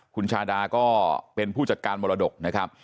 คุณชาดาก็เป็นผู้จัดการมรดกนะครับ